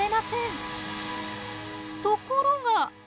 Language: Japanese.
ところが。